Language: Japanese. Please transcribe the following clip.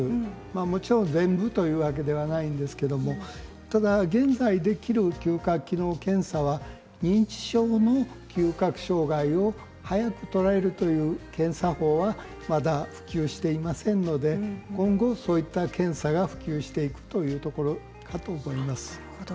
もちろん全部というわけではないんですけどただ現在できる嗅覚機能検査は認知症の嗅覚障害を早く捉えるという検査法はまだ普及していませんので今後そういった検査が普及していくということかと思います。